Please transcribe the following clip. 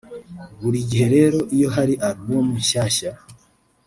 Buri gihe rero iyo hari album nshyashya